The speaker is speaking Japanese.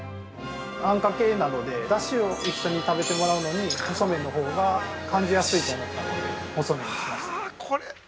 ◆あんかけなので、だしを一緒に食べてもらうのに細麺のほうが感じやすいと思ったので、細麺にしました。